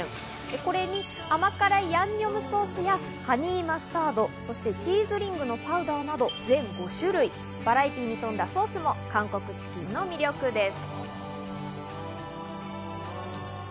これに甘辛いヤンニョムソースやハニーマスタードそしてチーズリングのパウダーなど全５種類バラエティーに富んだソースも韓国チキンの魅力です。